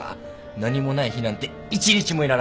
何もない日なんて一日もいらない